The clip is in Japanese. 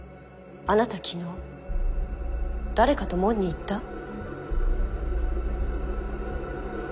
あなた昨日誰かと門に行った？